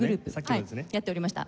はいやっておりました。